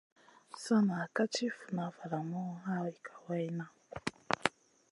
Sana ka ti funa valamu hay kawayna.